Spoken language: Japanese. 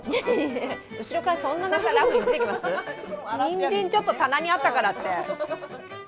にんじんちょっと棚にあったからって。